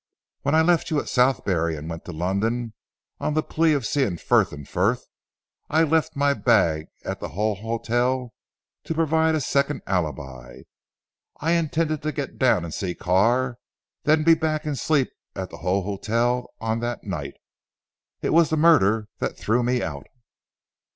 When I left you at Southberry and went to London on the plea of seeing Frith and Frith, I left my bag at the Hull Hotel to provide a second alibi. I intended to get down and see Carr, then be back and sleep at the Hull Hotel on that night. It was the murder that threw me out."